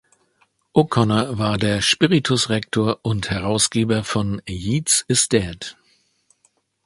O’Connor war der ‚Spiritus Rector‘ und Herausgeber von "Yeats is Dead!